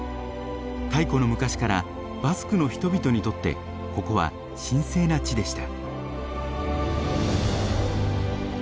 太古の昔からバスクの人々にとってここは神聖な地でした。